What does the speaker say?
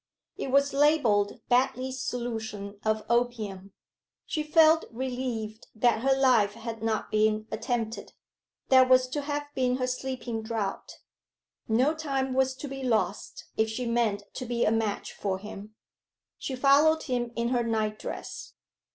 It was labelled 'Battley's Solution of Opium.' She felt relieved that her life had not been attempted. That was to have been her sleeping draught. No time was to be lost if she meant to be a match for him. She followed him in her nightdress.